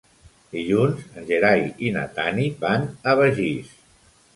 Dilluns en Gerai i na Tanit van a Begís.